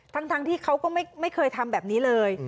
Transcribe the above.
ทั้งที่เขาก็ไม่เคยทำแบบนี้เลย